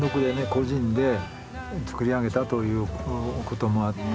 個人で作り上げたということもあってですね